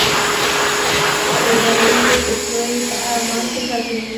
له ډله ییزو فتنو یې په امان کې ساتي.